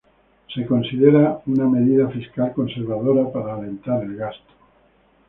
Se considera una medida fiscal conservadora para alentar el gasto.